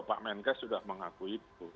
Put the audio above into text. pak menkes sudah mengakui itu